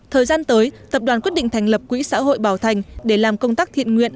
thời gian tới tập đoàn quyết định thành lập quỹ xã hội bảo thành để làm công tác thiện nguyện